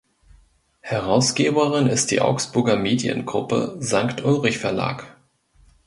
Herausgeberin ist die Augsburger Mediengruppe Sankt Ulrich Verlag.